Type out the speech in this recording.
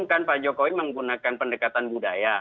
kan pak jokowi menggunakan pendekatan budaya